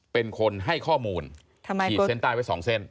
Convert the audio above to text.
โปรดติดตามตอนต่อไป